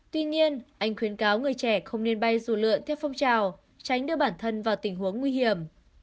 tuy nhiên anh khuyến cáo người trẻ không nên bay dù lượn theo phong trào tránh đưa bản thân vào tình huống nguy hiểm